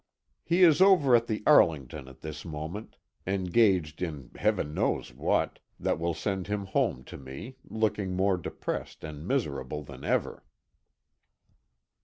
He is over at the Arlington at this moment, engaged in heaven knows what, that will send him home to me looking more depressed and miserable than ever.